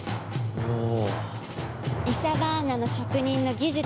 おお！